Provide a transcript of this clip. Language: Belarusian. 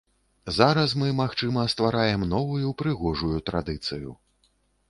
Зараз мы, магчыма, ствараем новую прыгожую традыцыю.